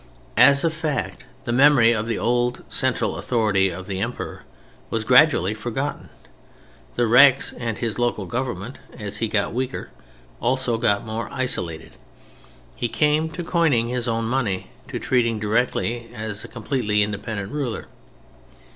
As a fact, the memory of the old central authority of the Emperor was gradually forgotten; the Rex and his local government as he got weaker also got more isolated. He came to coining his own money, to treating directly as a completely independent ruler.